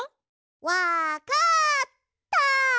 わかった！